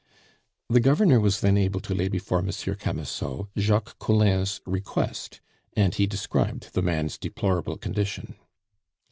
The Governor was then able to lay before Monsieur Camusot Jacques Collin's request, and he described the man's deplorable condition.